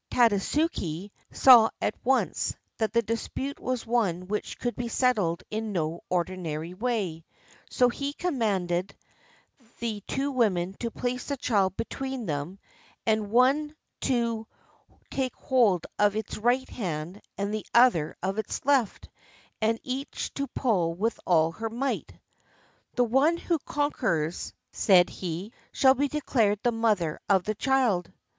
Tada 369 JAPAN suke saw at once that the dispute was one which could be settled in no ordinary way; so he commanded the two women to place the child between them and one to take hold of its right hand and the other of its left, and each to pull with all her might. " The one who conquers," said he, "shall be declared the mother of the child."